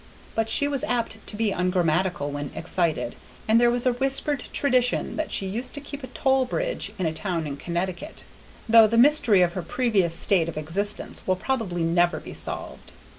But she was apt to be ungrammatical when excited, and there was a whispered tradition that she used to keep a toll bridge in a town in Connecticut; though the mystery of her previous state of existence will probably never be solved.